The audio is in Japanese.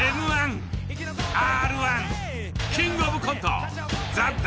Ｍ−１Ｒ−１キングオブコントＴＨＥＷ。